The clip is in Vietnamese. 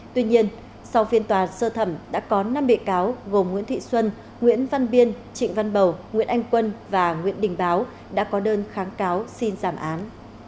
tuy nhiên sau phiên tòa sơ thẩm đã có năm bị cáo gồm nguyễn thị xuân nguyễn văn biên trịnh văn bầu nguyễn anh quân và nguyễn đình báo đã có đơn kháng cáo xin giảm án